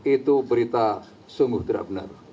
itu berita sungguh tidak benar